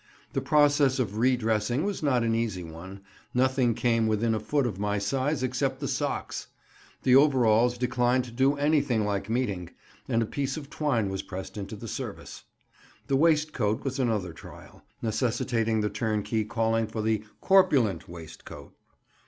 The process of re dressing was not an easy one; nothing came within a foot of my size except the socks; the overalls declined to do anything like meeting, and a piece of twine was pressed into the service. The waistcoat was another trial, necessitating the turnkey calling for the "corpulent waistcoat."